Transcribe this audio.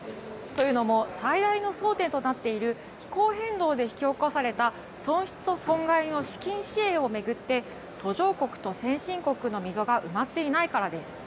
というのも最大の焦点となっている気候変動で引き起こされた損失と損害の資金支援を巡って途上国と先進国の溝が埋まっていないからです。